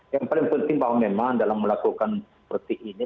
yang paling penting bahwa memang dalam melakukan seperti ini